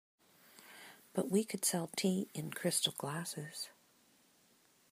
But we could sell tea in crystal glasses.